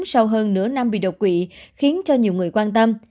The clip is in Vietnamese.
sau hơn nửa năm bị đột quỵ khiến cho nhiều người quan tâm